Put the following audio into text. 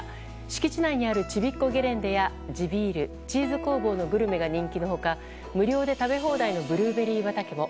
敷地内にあるちびっこゲレンデや地ビールチーズ工房のグルメが人気の他無料で食べ放題のブルーベリー畑も。